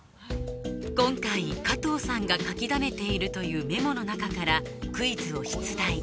今回加藤さんが書きだめているというメモの中からクイズを出題